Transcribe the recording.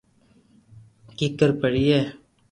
ڪيڪر ڀرئي